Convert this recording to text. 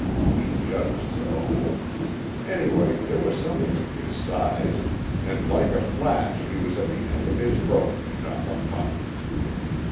He judged so. Anyway, here was something of his size, and like a flash he was at the end of his rope and on the pup.